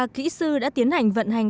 kỹ sư đã tiến hành vận hành